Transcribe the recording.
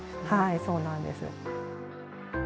はいそうなんです。